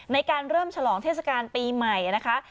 ในการเริ่มฉลองเทศกาลปีใหม่นะคะ